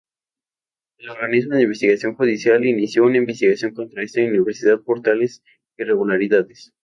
El Organismo de Investigación Judicial inició una investigación contra esta universidad por tales irregularidades.